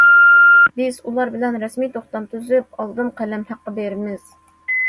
بىز ئۇلار بىلەن رەسمىي توختام تۈزۈپ، ئالدىن قەلەم ھەققى بېرىمىز.